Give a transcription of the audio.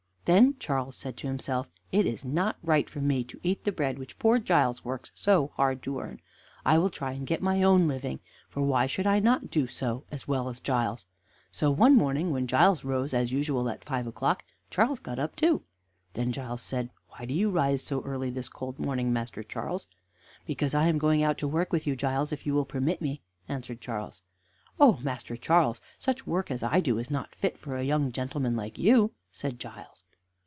Then Charles said to himself: "It is not right for me to eat the bread which poor Giles works so hard to earn; I will try and get my own living, for why should I not do so, as well as Giles?" So one morning, when Giles rose, as usual, at five o'clock, Charles got up too. Then Giles said: "Why do you rise so early this cold morning, Master Charles?" "Because I am going out to work with you, Giles, if you will permit me," answered Charles. "Oh, Master Charles, such work as I do is not fit for a young gentleman like you," said Giles.